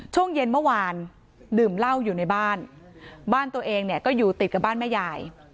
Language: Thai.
ช่วงเย็นเมื่อวานดื่มเหล้าอยู่ในบ้านบ้านตัวเองเนี่ยก็อยู่ติดกับบ้านแม่ยาย